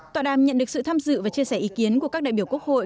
tọa đàm nhận được sự tham dự và chia sẻ ý kiến của các đại biểu quốc hội